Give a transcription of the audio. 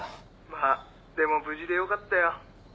☎まあでも無事でよかったよ。